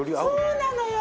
そうなのよ！